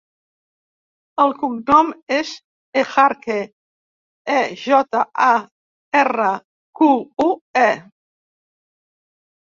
El cognom és Ejarque: e, jota, a, erra, cu, u, e.